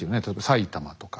埼玉とか。